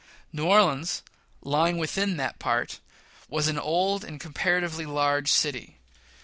New Orleans, lying within that part, was an old and comparatively large city.